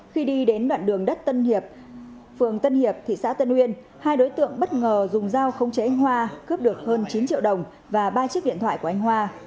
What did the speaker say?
khi đi đến đoạn đường đất tân hiệp phường tân hiệp thị xã tân uyên hai đối tượng bất ngờ dùng dao không chế anh hoa cướp được hơn chín triệu đồng và ba chiếc điện thoại của anh hoa